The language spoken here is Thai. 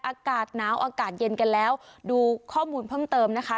อากาศหนาวอากาศเย็นกันแล้วดูข้อมูลเพิ่มเติมนะคะ